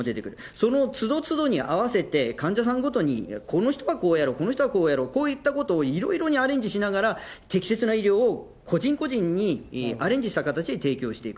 そのつどつどに合わせて、患者さんごとに、この人はこうやる、この人はこうやる、こういったことをいろいろにアレンジしながら、適切な医療を個人個人にアレンジした形で提供していく。